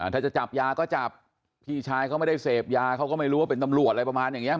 ถ้าจะจับยาก็จับพี่ชายเขาไม่ได้เสพยาเขาก็ไม่รู้ว่าเป็นตำรวจอะไรประมาณอย่างนี้